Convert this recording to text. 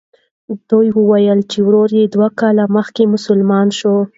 ده وویل چې ورور یې دوه کاله مخکې مسلمان شو.